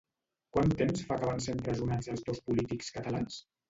Quant temps fa que van ser empresonats els dos polítics catalans?